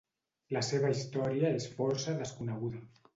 La seva història és força desconeguda.